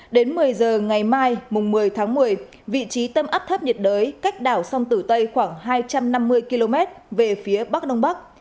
đến một mươi giờ ngày mai một mươi tháng một mươi vị trí tâm áp thấp nhiệt đới cách đảo sông tử tây khoảng hai trăm năm mươi km về phía bắc đông bắc